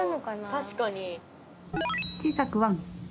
確かに。